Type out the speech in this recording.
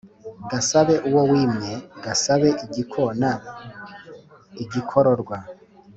gasabe uwo wimye; gasabe igikona igikororwa;